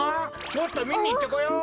ちょっとみにいってこよう。